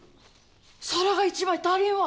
皿が１枚足りんわ。